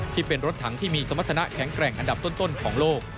ที่เป็นรถถังที่มีสมรรถนะแข็งแกร่งอันดับต้นของโลก